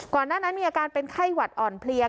หน้านั้นมีอาการเป็นไข้หวัดอ่อนเพลีย